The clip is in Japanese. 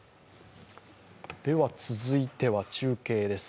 続いては中継です。